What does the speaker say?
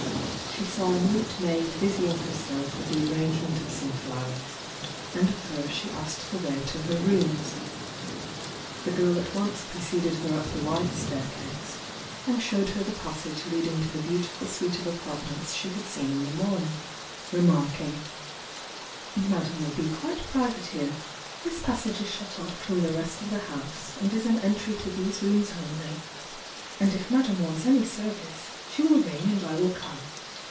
She saw a neat maid busying herself with the arrangement of some flow ers, and of her she asked the way to her rooms. The girl at once preceded her up the wide staircase and showed her the passage leading to the beautiful suite of apartments she had seen in the morning, remarking: "Madame will be quite private here, — this passage is shut off from the rest of the house, and is an entry to these rooms only, and if Madame wants any serv ice she will ring and I will come.